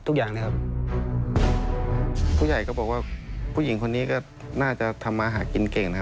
ของผู้ใหญ่ก็บอกว่าผู้หญิงคนนี้ก็น่าจะทำมาหากินเก่งนะ